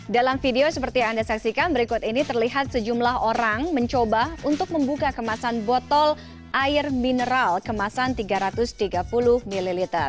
dalam video seperti yang anda saksikan berikut ini terlihat sejumlah orang mencoba untuk membuka kemasan botol air mineral kemasan tiga ratus tiga puluh ml